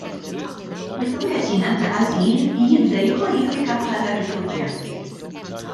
Meta wieħed jingħata ażil, jibda jikkwalifika bħala rifuġjat.